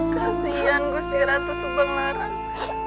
kasian gusti ratu subang laras